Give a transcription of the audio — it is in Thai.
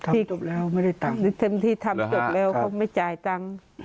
จบแล้วไม่ได้ตังค์หรือเต็มที่ทำจบแล้วเขาไม่จ่ายตังค์